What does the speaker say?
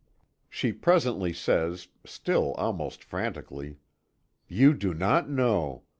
She presently says, still almost frantically: "You do not know!